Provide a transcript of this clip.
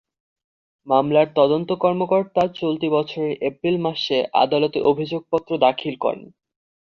মামলার তদন্ত কর্মকর্তা চলতি বছরের এপ্রিল মাসে আদালতে অভিযোগপত্র দাখিল করেন।